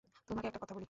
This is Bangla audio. তোমাকে একটা কথা বলি।